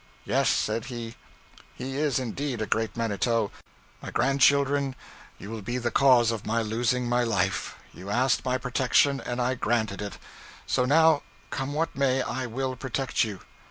'Yes,' said he, 'he is indeed a great manito: my grandchildren, you will be the cause of my losing my life; you asked my protection, and I granted it; so now, come what may, I will protect you.